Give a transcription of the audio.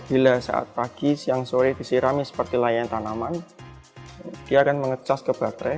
bila saat pagi siang sore disirami seperti layan tanaman dia akan mengecas ke baterai